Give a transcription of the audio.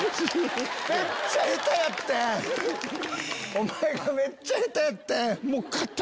お前がめっちゃ下手やってん！